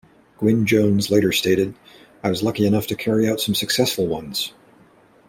Gwynne Jones later stated, I was lucky enough to carry out some successful ones.